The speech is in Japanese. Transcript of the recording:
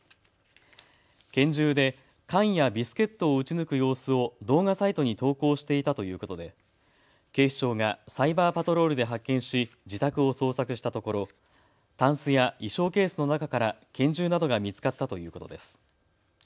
拳銃で缶やビスケットを撃ち抜く様子を動画サイトに投稿していたということで警視庁がサイバーパトロールで発見し、自宅を捜索したところタンスや衣装ケースの中から拳銃などが見つかったということです。